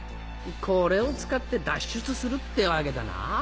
これを使って脱出するってわけだな？